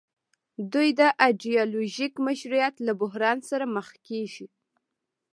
دوی د ایډیولوژیک مشروعیت له بحران سره مخ کیږي.